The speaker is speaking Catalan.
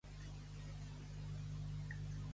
Mauva considera que és millor que acompanyin els mariners?